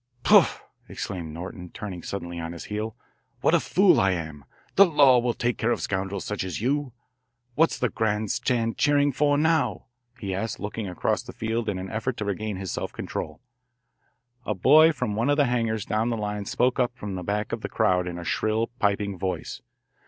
"Pouff!" exclaimed Norton, turning suddenly on his heel. "What a fool I am! The law will take care of such scoundrels as you. What's the grand stand cheering for now?" he asked, looking across the field in an effort to regain his self control. A boy from one of the hangars down the line spoke up from the back of the crowd in a shrill, piping voice.